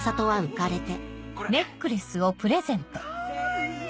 かわいい！